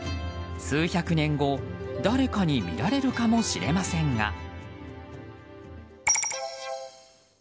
数百年後、誰かに見られるかもしれませんが。